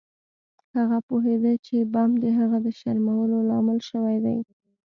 هغه پوهیده چې بم د هغه د شرمولو لامل شوی دی